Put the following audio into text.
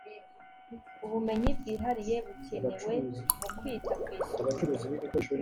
ubumenyi bwihariye bukenewe mu kwita kwisuku